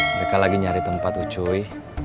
mereka lagi nyari tempat tuh cuy